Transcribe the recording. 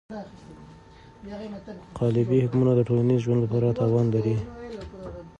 قالبي حکمونه د ټولنیز ژوند لپاره تاوان لري.